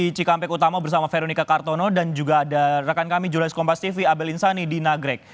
di cikampek utama bersama veronica kartono dan juga ada rekan kami jurnalis kompas tv abel insani di nagrek